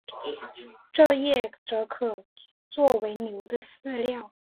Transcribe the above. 蔗叶则可做为牛的饲料。